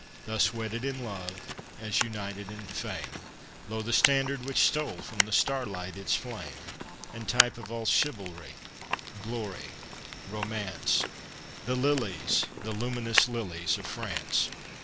Thus wedded in love as united in fame, Lo! the standard which stole from the starlight its flame, And type of all chivalry, glory, romance, The lilies, the luminous lilies of France.